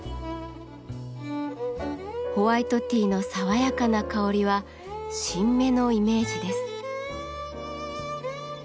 ホワイトティーの爽やかな香りは新芽のイメージです。